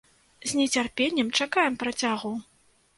З нецярпеннем чакаем працягу!